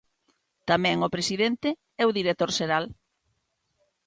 Tamén o presidente e o director xeral.